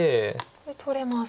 これ取れます。